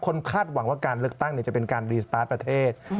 คาดหวังว่าการเลือกตั้งจะเป็นการรีสตาร์ทประเทศ